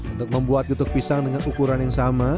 untuk membuat getuk pisang dengan ukuran yang sama